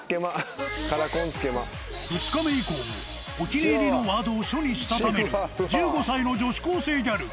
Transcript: ２日目以降もお気に入りのワードを書にしたためる１５歳の女子高生ギャル凛